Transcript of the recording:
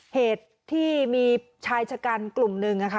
เหตุที่มีชายชะกันกลุ่มหนึ่ง